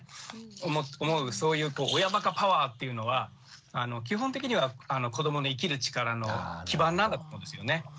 そういう親ばかパワーっていうのは基本的には子どもの生きる力の基盤なんだと思うんですよね。